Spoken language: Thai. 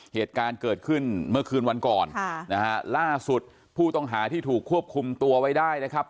เหตุการณ์เกิดขึ้นเมื่อคืนวันก่อนค่ะนะฮะล่าสุดผู้ต้องหาที่ถูกควบคุมตัวไว้ได้นะครับ